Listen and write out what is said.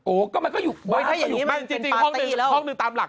โอเคมันก็อยู่หน้าไม่จริงห้องนึงห้องนึงตามหลัก